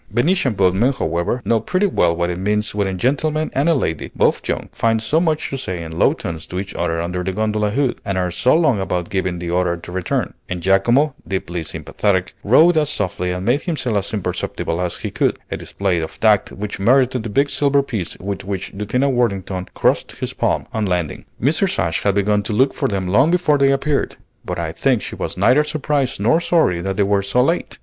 Venetian boatmen, however, know pretty well what it means when a gentleman and lady, both young, find so much to say in low tones to each other under the gondola hood, and are so long about giving the order to return; and Giacomo, deeply sympathetic, rowed as softly and made himself as imperceptible as he could, a display of tact which merited the big silver piece with which Lieutenant Worthington "crossed his palm" on landing. Mrs. Ashe had begun to look for them long before they appeared, but I think she was neither surprised nor sorry that they were so late.